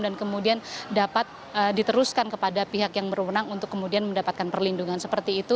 dan kemudian dapat diteruskan kepada pihak yang berwenang untuk kemudian mendapatkan perlindungan seperti itu